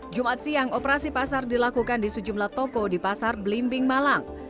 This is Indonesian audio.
jumat siang operasi pasar dilakukan di sejumlah toko di pasar belimbing malang